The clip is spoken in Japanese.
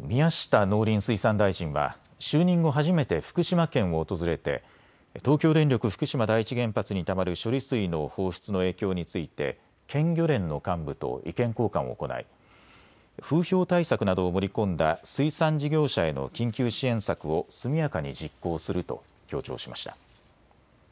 宮下農林水産大臣は就任後初めて福島県を訪れて東京電力福島第一原発にたまる処理水の放出の影響について県漁連の幹部と意見交換を行い風評対策などを盛り込んだ水産事業者への緊急支援策を速やかに実行すると強調しました。